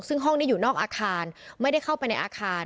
ซึ่งห้องนี้อยู่นอกอาคารไม่ได้เข้าไปในอาคาร